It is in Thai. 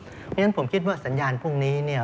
เพราะฉะนั้นผมคิดว่าสัญญาณพวกนี้